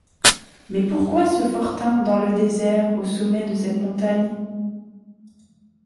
Mais pourquoi ce fortin dans le désert, au sommet de cette montagne?